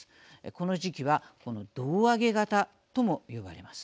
この時期はこの胴上げ型とも呼ばれます。